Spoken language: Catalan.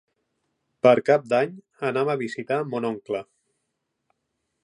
Per Cap d'Any anam a visitar mon oncle.